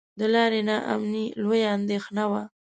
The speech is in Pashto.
د لارې نا امني لویه اندېښنه وه.